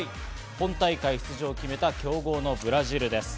本大会出場を決めた強豪ブラジルです。